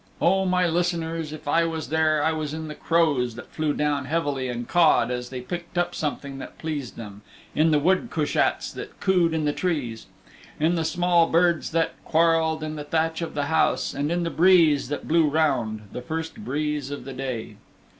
O my listeners, if I was there I was in the crows that flew down heavily and cawed as they picked up something that pleased them, in the wood cushats that cooed in the trees, in the small birds that quarreled in the thatch of the house, and in the breeze that blew round the first breeze of the day.